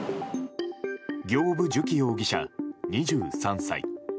行歩寿希容疑者、２３歳。